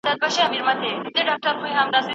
حوصلې دې دومره لوړې ساته یاره !